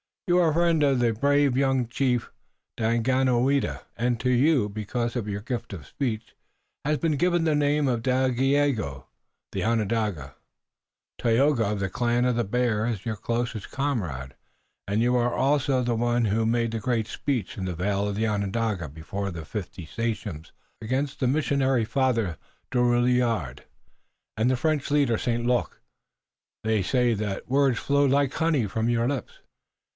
"You are a friend of the brave young chief, Daganoweda, and to you, because of your gift of speech, has been given the name, Dagaeoga. The Onondaga, Tayoga, of the clan of the Bear, is your closest comrade, and you are also the one who made the great speech in the Vale of Onondaga before the fifty sachems against the missionary, Father Drouillard, and the French leader, St. Luc. They say that words flowed like honey from your lips."